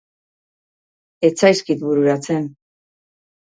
Ez zaizkit bururatzen.